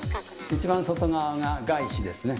一番外側が外皮ですね。